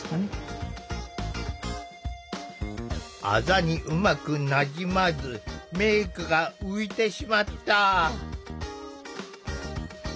あざにうまくなじまずメークが浮いてしまった。